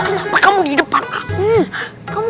kenapa kamu di depan aku kamu